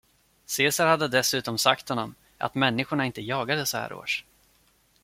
Cesar hade dessutom sagt honom, att människorna inte jagade så här års.